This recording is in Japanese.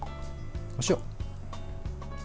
お塩。